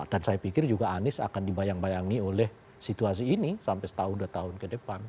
dan saya pikir juga anies akan dibayang bayangi oleh situasi ini sampai setahun dua tahun ke depan